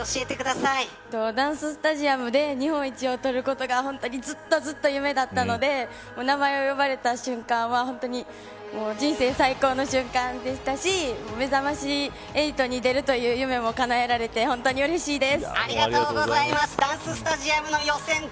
ダンススタジアムで日本一を取ることがずっとずっと夢だったので名前を呼ばれた瞬間は人生最高の瞬間でしたしめざまし８に出るという夢もかなえられて本当にうれしいです。